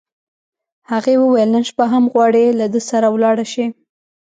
هغې وویل: نن شپه هم غواړې، له ده سره ولاړه شې؟